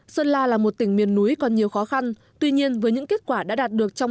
sơn la là một tỉnh miền núi còn nhiều khó khăn tuy nhiên với những kết quả đã đạt được trong